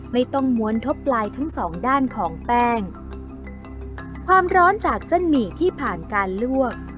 ม้วนทบลายทั้งสองด้านของแป้งความร้อนจากเส้นหมี่ที่ผ่านการลวก